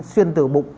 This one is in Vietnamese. xuyên từ bụng